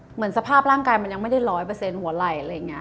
เหมือนสภาพร่างกายมันยังไม่ได้๑๐๐หัวไหล่